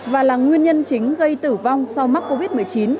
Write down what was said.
và là nguyên nhân chính gây tử vong sau mắc covid một mươi chín